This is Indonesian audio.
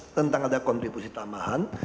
tentang ada kontribusi tambahan